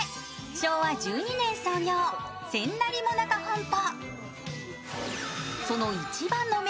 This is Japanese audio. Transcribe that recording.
昭和１２年創業、千成もなか本舗。